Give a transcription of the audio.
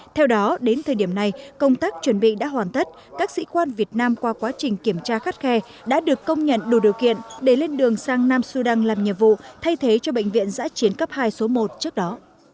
theo đó đến thời điểm này công tác chuẩn bị đã hoàn tất các sĩ quan việt nam qua quá trình kiểm tra khắt khe đã được công nhận đủ điều kiện để lên đường sang nam sudan làm nhiệm vụ thay thế cho bệnh viện giã chiến cấp hai số một trước đó